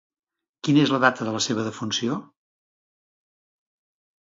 Quina és la data de la seva defunció?